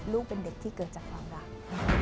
ลูกเป็นเด็กที่เกิดจากความรัก